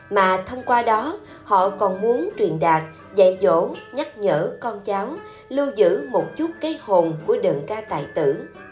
mà thông qua đó họ còn muốn truyền đạt dạy dỗ nhắc nhở con cháu lưu giữ một chút cái hồn của đơn ca tài tử